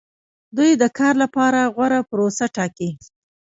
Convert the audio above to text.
دوی د کار لپاره غوره پروسه ټاکي.